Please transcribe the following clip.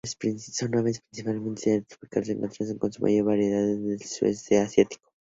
Son aves principalmente de áreas tropicales, encontrándose su mayor variedad en el sudeste asiático.